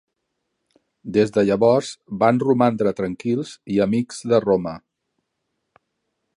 Des de llavors, van romandre tranquils i amics de Roma.